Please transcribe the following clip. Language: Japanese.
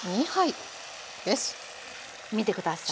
見て下さい。